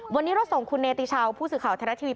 วันนี้เราส่งคุณเจติเชาผู้สื่อข่าวโพรแขนต์ทีวี